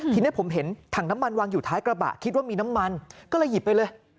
ทีนี้ผมเห็นถังน้ำมันวางอยู่ท้ายกระบะคิดว่ามีน้ำมันก็เลยหยิบไปเลย